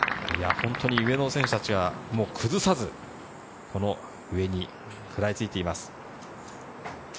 本当に上の選手たちは崩さず、上にくらいついています。